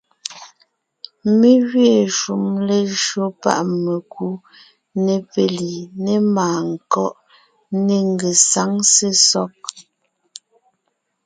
Mé gẅiin shúm lejÿo páʼ mekú , ne péli, ne màankɔ́ʼ, ne ngesáŋ, sesɔg;